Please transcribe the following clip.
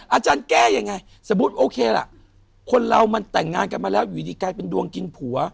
อาจารย์แก้ยังไงสมมุติโอเคล่ะคนเรามันแต่งงานกันมาแล้วอยู่ดีกลายเป็นดวงกินผัว